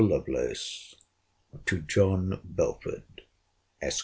LOVELACE, TO JOHN BELFORD, ESQ.